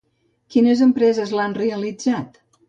Quines empreses l'han realitzat?